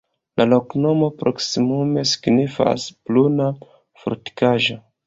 La loknomo proksimume signifas: pruna-fortikaĵo.